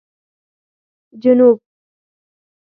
جنوب